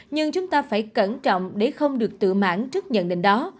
nhưng chúng ta phải cẩn trọng để không được tự mãn trước nhận định đó